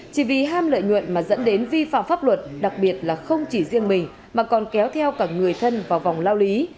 chỉ vì ham lợi nhuận mà dẫn đến vi phạm pháp luật đặc biệt là không chỉ riêng mình mà còn kéo theo cả người thân vào vòng lao lý